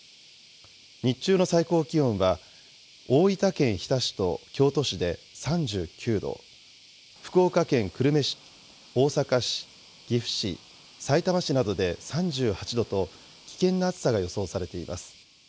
日中の最高気温は、大分県日田市と京都市で３９度、福岡県久留米市、大阪市、岐阜市、さいたま市などで３８度と、危険な暑さが予想されています。